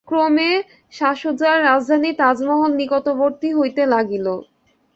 ক্রমে শাসুজার রাজধানী রাজমহল নিকটবর্তী হইতে লাগিল।